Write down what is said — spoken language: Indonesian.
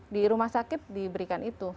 di rumah sakit diberikan itu